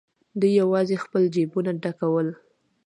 دوی یوازې خپل جېبونه ډکول.